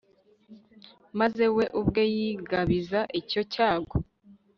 maze we ubwe yigabiza icyo cyago